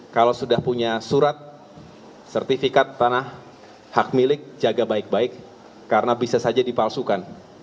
kalau sudah punya surat sertifikat tanah hak milik jaga baik baik karena bisa saja dipalsukan